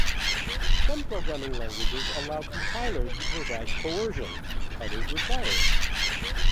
Some programming languages allow compilers to provide coercion; others require it.